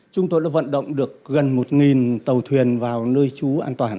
chúng tôi đã vận động được gần một tàu thuyền vào nơi trú an toàn